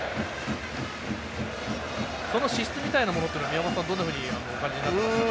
資質みたいなものは宮本さんはどんなふうにお感じになっていますか？